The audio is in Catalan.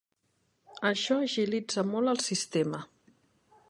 Això agilitza molt el sistema.